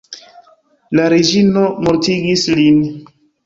La reĝino mortigis lin.